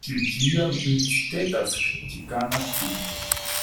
Ŝi ĉiam incitetas kaj ĉikanas vin!